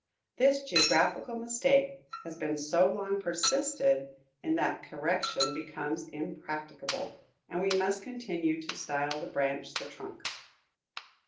This geographical mistake has been so long persisted in that correction becomes impracticable, and we must continue to style the branch the trunk.